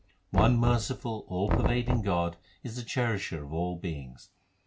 One merciful all pervading God is the Cherisher of all beings.